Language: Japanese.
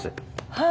はい！